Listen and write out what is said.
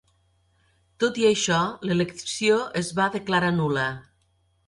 Tot i això, l'elecció es va declarar nul·la.